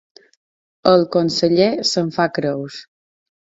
El conseller se'n fa creus.